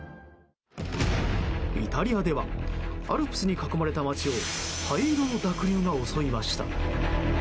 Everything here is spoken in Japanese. イタリアではアルプスに囲まれた街を灰色の濁流が襲いました。